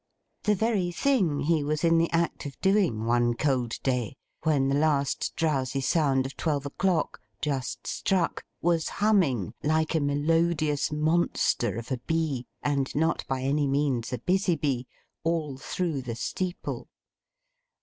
The very thing he was in the act of doing one cold day, when the last drowsy sound of Twelve o'clock, just struck, was humming like a melodious monster of a Bee, and not by any means a busy bee, all through the steeple!